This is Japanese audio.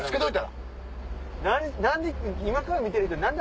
今から見てる人「何で？」